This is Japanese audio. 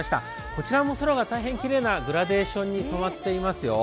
こちらも空が大変きれいなグラデーションに染まっています。